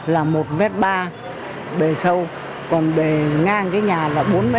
là một m ba bề sâu còn bề ngang cái nhà là bốn m bảy